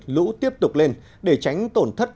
lũ tiếp tục lên để tránh tổn thất